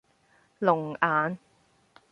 龍眼